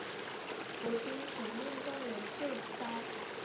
国军全面动员救灾